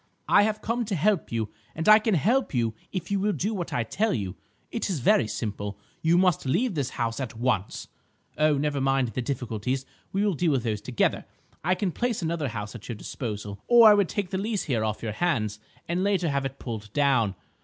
I have come to help you, and I can help you if you will do what I tell you. It is very simple: you must leave this house at once. Oh, never mind the difficulties; we will deal with those together. I can place another house at your disposal, or I would take the lease here off your hands, and later have it pulled down.